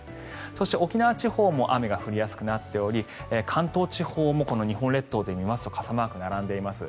そして沖縄地方も雨が降りやすくなっており関東地方もこの日本列島で見ますと傘マークが並んでいます。